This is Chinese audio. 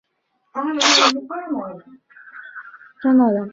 告示牌百强单曲榜是美国的一个单曲排行榜单。